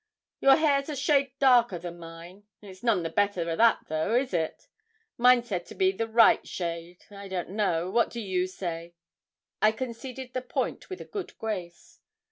'Your hair's a shade darker than mine it's none the better o' that though is it? Mine's said to be the right shade. I don't know what do you say?' I conceded the point with a good grace.